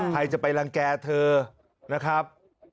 ใครจะไปรังแก่เธอนะครับ